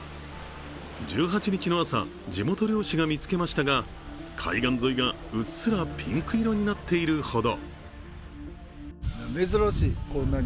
１８日の朝、地元漁師が見つけましたが海岸沿いがうっすらピンク色になっているほど。